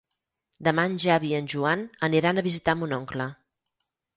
Demà en Xavi i en Joan aniran a visitar mon oncle.